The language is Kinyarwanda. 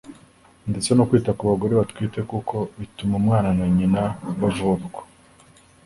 ndetse no kwita ku bagore batwite kuko bituma umwana na nyina bavurwa ;